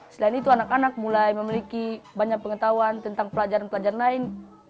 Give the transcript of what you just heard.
selain itu anak anak mulai memiliki banyak pengetahuan tentang pelajaran pelajaran lain